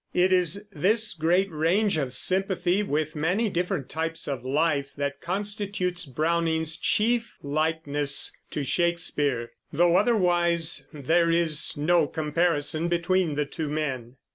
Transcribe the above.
It is this great range of sympathy with many different types of life that constitutes Browning's chief likeness to Shakespeare, though otherwise there is no comparison between the two men.